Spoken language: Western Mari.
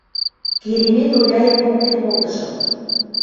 Керемет Оляйым поктен колтышым...